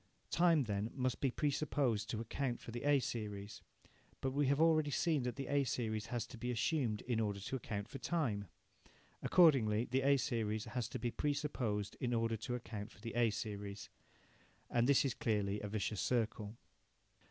Time then must be pre supposed to account for the A series. But we have already seen that the A series has to be assumed in order to account for time. Accordingly the A series has to be pre supposed in order to account for the A series. And this is clearly a vicious circle.